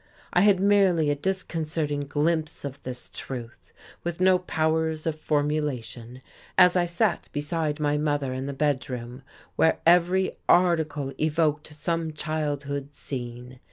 I had merely a disconcerting glimpse of this truth, with no powers of formulation, as I sat beside my mother in the bedroom, where every article evoked some childhood scene.